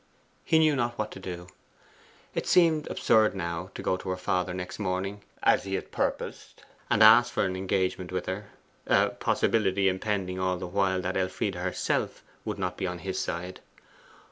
He knew not what to do. It seemed absurd now to go to her father next morning, as he had purposed, and ask for an engagement with her, a possibility impending all the while that Elfride herself would not be on his side.